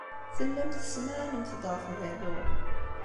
Tellamt tessemɛanemt-d ɣef berru.